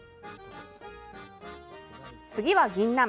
次は、ぎんなん。